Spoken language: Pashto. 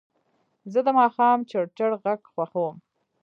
زه د ماښام چړچړ غږ خوښوم.